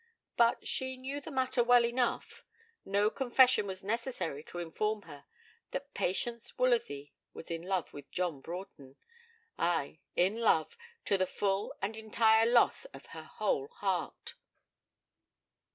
But she knew the matter well enough. No confession was necessary to inform her that Patience Woolsworthy was in love with John Broughton ay, in love, to the full and entire loss of her whole heart.